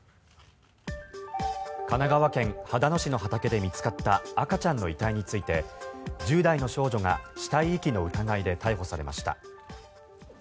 神奈川県秦野市の畑で見つかった赤ちゃんの遺体について１０代の少女が死体遺棄の疑いで逮捕されました。